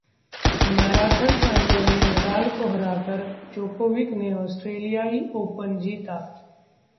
marathon final में Nadal को हराकर जोकोविच ने ऑस्ट्रेलियाई ओपन जीता